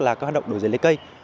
là các hoạt động đổi giấy lấy cây